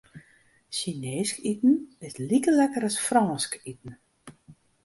Sjineesk iten is like lekker as Frânsk iten.